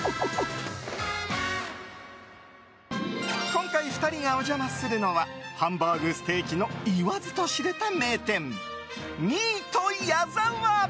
今回２人がお邪魔するのはハンバーグステーキの言わずと知れた名店ミート矢澤。